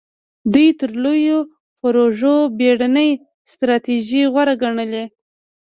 دوی تر لویو پروژو بېړنۍ ستراتیژۍ غوره ګڼلې.